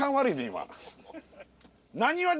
今。